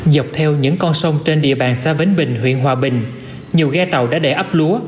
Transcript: dọc theo những con sông trên địa bàn xa vĩnh bình huyện hòa bình nhiều ghe tàu đã để ấp lúa